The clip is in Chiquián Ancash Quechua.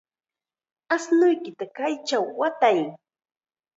Ashnuykita kaychaw watay.